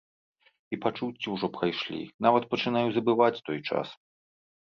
І пачуцці ўжо прайшлі, нават пачынаю забываць той час.